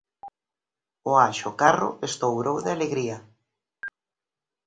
O Anxo Carro estourou de alegría.